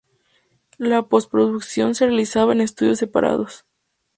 La postproducción se realizaba en estudios separados.